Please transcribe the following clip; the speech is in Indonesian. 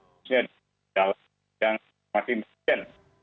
sebenarnya dalam bidang masing masing